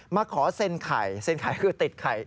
มาขอเซ็นไข่คือติดไข่